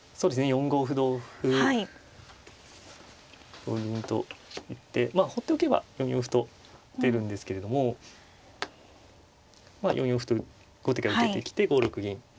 ４五歩同歩同銀と行ってほっておけば４四歩と打てるんですけれどもまあ４四歩と後手が受けてきて５六銀。